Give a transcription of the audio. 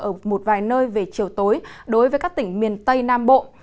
ở một vài nơi về chiều tối đối với các tỉnh miền tây nam bộ